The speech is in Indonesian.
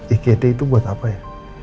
igt itu buat apa ya